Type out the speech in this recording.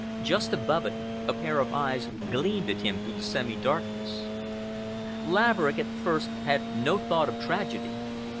Just above it, a pair of eyes gleamed at him through the semi darkness. Laverick at first had no thought of tragedy.